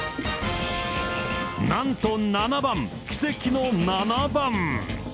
なんと７番、奇跡の７番。